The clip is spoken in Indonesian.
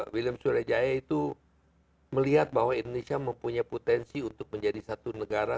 william surya jaya itu melihat bahwa indonesia mempunyai potensi untuk menjadi satu negara